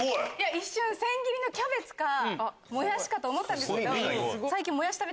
一瞬千切りのキャベツかもやしかと思ったんですけど。